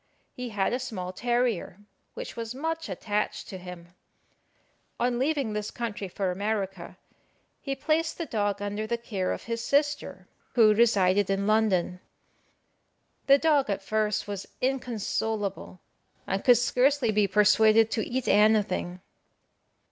He had a small terrier, which was much attached to him. On leaving this country for America, he placed the dog under the care of his sister, who resided in London. The dog at first was inconsolable, and could scarcely be persuaded to eat anything.